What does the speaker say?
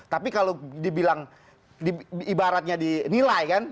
tapi kalau dibilang ibaratnya dinilai kan